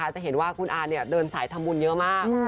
จะเห็นว่าคุณอาเดินสายทำบุญเยอะมาก